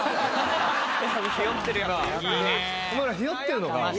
お前らひよってるのか？